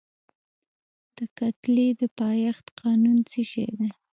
د کتلې د پایښت قانون څه شی دی؟